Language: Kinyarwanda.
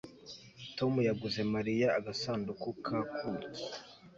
Tom yaguze Mariya agasanduku ka kuki